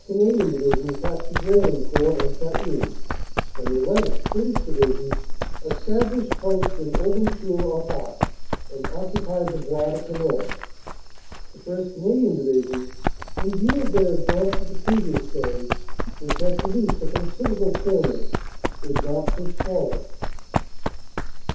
Canadian Division cap tured Raillencourt and Sailly, and the llth. (British) Divi sion established posts in Aubencheul au Bac and occupied the Bois de Quesnoy. The 1st. Canadian Division, in view of their advance of the previous day which had produced a consider able salient, did not push forward."